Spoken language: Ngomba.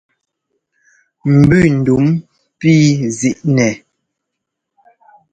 Mbʉ ndúm píi zǐi nɛ.